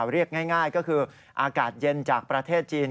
เรียกง่ายก็คืออากาศเย็นจากประเทศจีน